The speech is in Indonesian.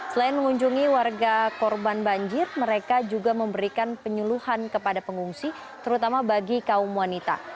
selain mengunjungi warga korban banjir mereka juga memberikan penyuluhan kepada pengungsi terutama bagi kaum wanita